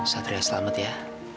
satria selamat ya